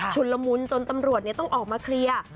ละมุนจนตำรวจต้องออกมาเคลียร์